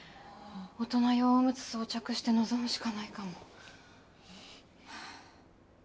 大人用おむつ装着して臨むしかないかも。